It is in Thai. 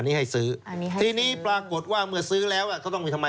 อันนี้ให้ซื้ออันนี้ให้ซื้อทีนี้ปรากฏว่าเมื่อซื้อแล้วเขาต้องมีทำไม